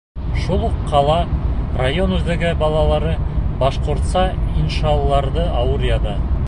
Шул уҡ ҡала, район үҙәге балалары башҡортса иншаларҙы ауыр яҙа.